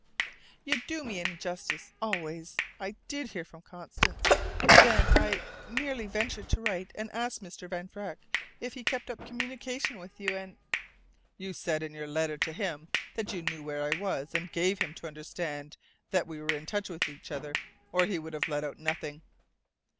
"You do me injustice always! I did hear from Constance. Then I merely ventured to write and ask Mr. Van Vreck if he kept up communication with you, and " "You said in your letter to him that you knew where I was, and gave him to understand that we were in touch with each other, or he would have let out nothing."